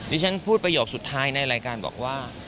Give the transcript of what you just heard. ที่ฉันพูดประโยคสุดท้ายในรายการบอกว่า